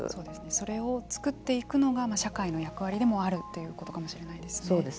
それを作っていくのが社会の役割でもあるということかもしれないですね。